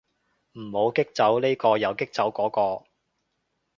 唔好激走呢個又激走嗰個